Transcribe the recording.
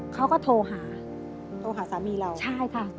เขาก็โทรหาใช่ค่ะโทรหาสามีเรา